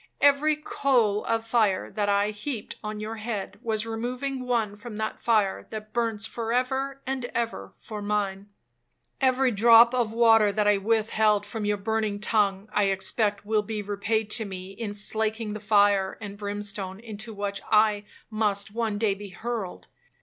Every coal of fire that I heaped on your head, was removing one from that fire that burns for ever and ever for mine. Every drop of water that I withheld from your burning tongue, I expect will be repaid to me in slaking the fire and brimstone into which I must one day be hurled.